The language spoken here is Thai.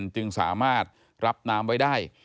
จึงสามารถรับน้ำไว้ได้